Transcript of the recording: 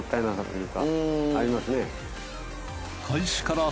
ありますね。